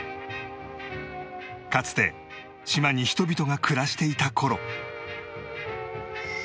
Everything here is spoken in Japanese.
かつて島に人々が暮らしていた頃